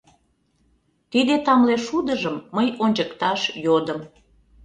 Тиде тамле шудыжым мый ончыкташ йодым.